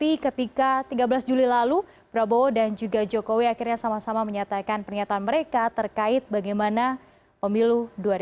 tapi ketika tiga belas juli lalu prabowo dan juga jokowi akhirnya sama sama menyatakan pernyataan mereka terkait bagaimana pemilu dua ribu dua puluh